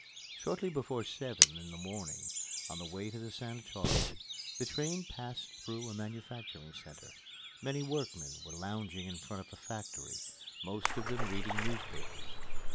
Shortly before seven in the morning, on the way to the sanatorium, the train passed through a manufacturing center. Many workmen were lounging in front of a factory, most of them reading newspapers.